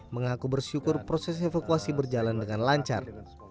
mengaku bersyukur proses evakuasi berjalan dengan lancar